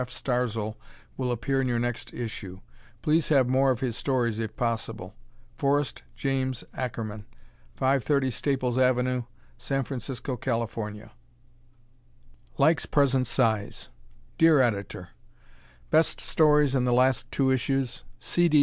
F. Starzl will appear in your next issue. Please have more of his stories if possible. Forrest James Ackerman, 530 Staples Ave., San Francisco, Calif. Likes Present Size Dear Editor: Best stories in the last two issues: C. D.